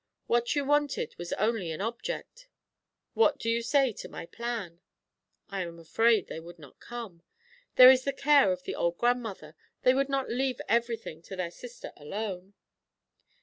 What you wanted was only an object." "What do you say to my plan?" "I am afraid they would not come. There is the care of the old grandmother; they would not leave everything to their sister alone."